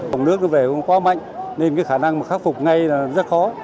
công nước đưa về cũng quá mạnh nên cái khả năng khắc phục ngay là rất khó